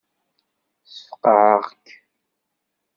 Ssfeqεeɣ-k.